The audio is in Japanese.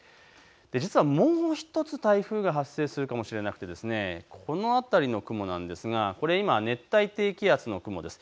実はもう１つ台風が発生するかもしれなくて、この辺りの雲なんですが、今、熱帯低気圧の雲です。